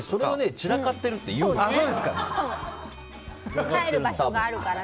散らかってるっていうんだよ。